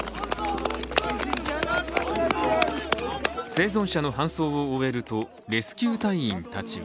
生存者の搬送を終えるとレスキュー隊員たちは